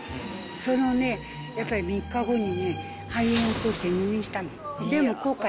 そのね、やっぱり３日後にね、肺炎起こして入院したの。